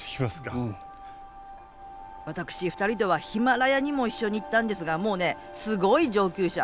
私二人とはヒマラヤにも一緒に行ったんですがもうねすごい上級者。